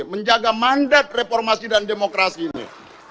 menjaga mandat reformasi dan demokrasi ini